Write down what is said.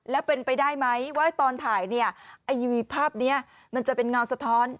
แล้วเป็นไปได้ไหมว่าตอนถ่ายเนี่ยไอ้ภาพนี้มันจะเป็นเงาสะท้อน